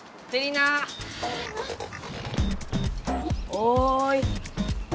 おい！